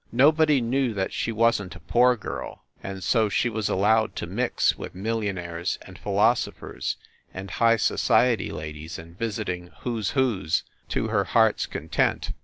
Nobody knew that she wasn t a poor girl, and so she was allowed to mix with millionaires and philosophers and high society ladies and visiting "Who s Whos" to her heart s content.